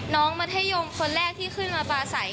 มัธยมคนแรกที่ขึ้นมาปลาใส